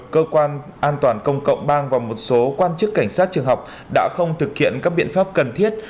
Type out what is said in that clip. cơ quan an toàn công cộng bang và một số quan chức cảnh sát trường học đã không thực hiện các biện pháp cần thiết